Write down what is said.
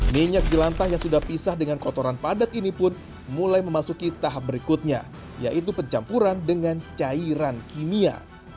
minyak jelantah yang sudah pisah dengan kotoran padat ini pun mulai memasuki tahap berikutnya yaitu pencampuran dengan cairan kimia